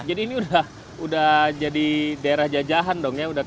jadi ini udah jadi daerah jajahan dong ya